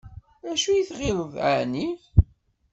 D acu ay tɣileḍ ɛni?